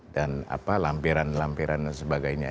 dan lampiran lampiran dan sebagainya